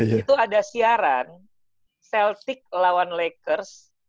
itu ada siaran celtic lawan lakers